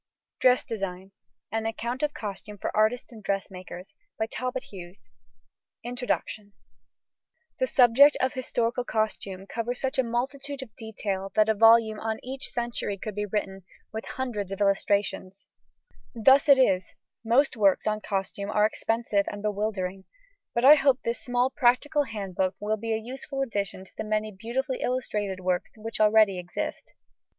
DRESS DESIGN Plates originally printed in collotype are now produced in half tone INTRODUCTION The subject of Historical Costume covers such a multitude of detail that a volume on each century could be written, with hundreds of illustrations. Thus it is, most works on costume are expensive and bewildering; but I hope this small practical handbook will be a useful addition to the many beautifully illustrated works which already exist.